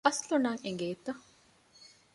އަސްލު ނަން އެނގޭތަ؟